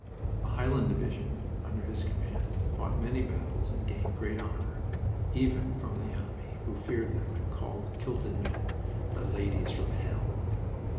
The Highland division, under his command, fought many battles and gained great honor, even from the enemy, who feared them and called the kilted men "the ladies from hell."